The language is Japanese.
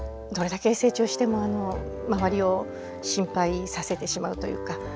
どれだけ成長しても周りを心配させてしまうというか。